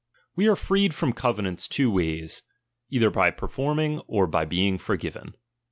We are freed from covenants two ways, either by performing, or by being forgiven.